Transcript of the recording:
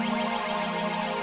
aku masih ingat